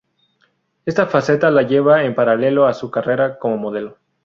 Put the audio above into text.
Esta faceta la lleva en paralelo a su carrera como modelo.